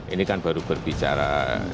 ini kan baru berbicara